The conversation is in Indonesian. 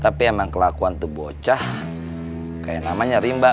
tapi emang kelakuan tuh bocah kayak namanya rimba